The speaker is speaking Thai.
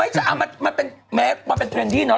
ไม่จ้ะมันเป็นเทรนด์ดีเนาะ